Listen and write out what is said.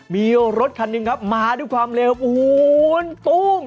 มีรถคันนึงครับมาด้วยความเละอู๋ตุ้ง